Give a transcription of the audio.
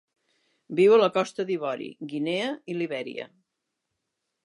Viu a la Costa d'Ivori, Guinea i Libèria.